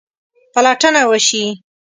پلټنه وسي.